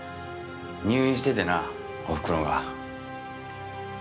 入院しててなおふくろが。